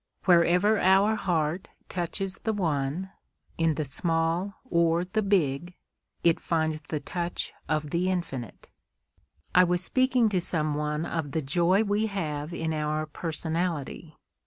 Wherever our heart touches the One, in the small or the big, it finds the touch of the infinite. I was speaking to some one of the joy we have in our personality.